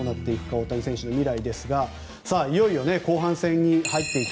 大谷選手の未来ですがいよいよ後半戦に入っていく。